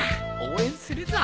応援するぞ。